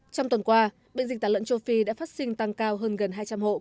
trong tuần qua bệnh dịch tả lợn châu phi đã phát sinh tăng cao hơn gần hai trăm linh hộ